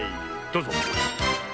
どうぞ。